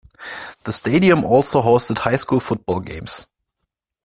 The stadium also hosted high-school football games.